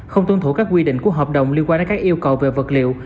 không tuân thủ các quy định của hợp đồng liên quan đến các yêu cầu về vật liệu